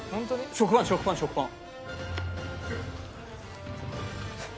食パン食パン食パン。